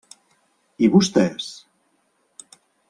I vostès?